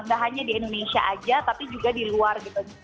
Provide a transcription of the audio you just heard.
nggak hanya di indonesia aja tapi juga di luar gitu